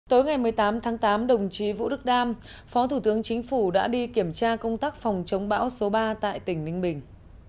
tối ngày một mươi tám tháng tám đồng chí vũ đức đam phó thủ tướng chính phủ đã đi kiểm tra công tác phòng chống bão số ba tại tỉnh ninh bình